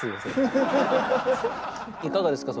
いかがですか？